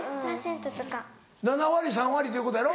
７割３割ということやろ？